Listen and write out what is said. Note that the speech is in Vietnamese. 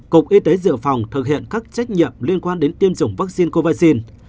cục y tế dựa phòng thực hiện các trách nhiệm liên quan đến tiêm chủng vaccine covaxin